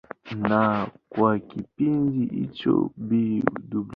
Na kwa kipindi hicho Bw.